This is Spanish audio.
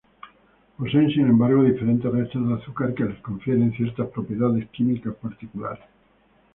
Poseen, sin embargo, diferentes restos de azúcar que les confieren ciertas propiedades químicas particulares.